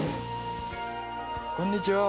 こんにちは。